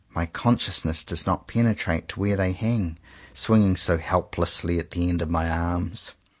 My conscious ness does not penetrate to where they hang, swinging so helplessly at the end of my arms.